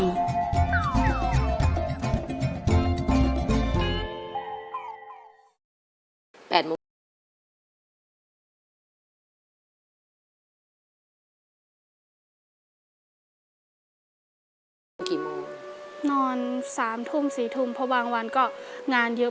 รายการต่อปีนี้เป็นรายการทั่วไปสามารถรับชมได้ทุกวัย